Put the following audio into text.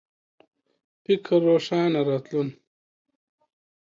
فکر روښانه راتلون